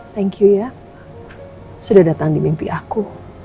thank you ya sudah datang di mimpi aku